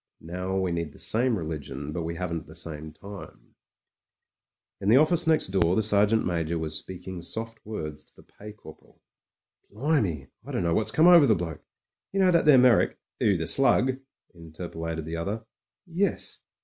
Now we need the same religion, but we haven't the same time. ••••••• In the office next door the Sergeant Ma j or was speaking soft words to the Pay Corporal. "Blimey, I dunno what's come over the bloke. You know that there Me)rrick ..." "Who, the Slug?" interpolated the other. "Yes.